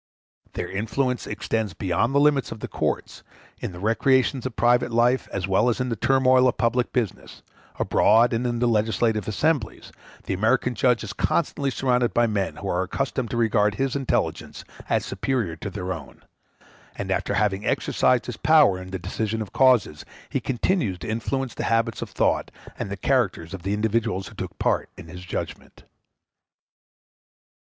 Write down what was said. Their influence extends beyond the limits of the courts; in the recreations of private life as well as in the turmoil of public business, abroad and in the legislative assemblies, the American judge is constantly surrounded by men who are accustomed to regard his intelligence as superior to their own, and after having exercised his power in the decision of causes, he continues to influence the habits of thought and the characters of the individuals who took a part in his judgment. i [ The Federal judges decide upon their own authority almost all the questions most important to the country.